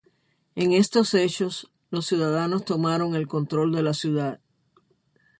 En estos hechos, los ciudadanos tomaron el control de la ciudad.